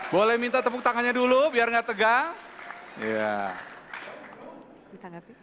boleh minta tepuk tangannya dulu biar nggak tegang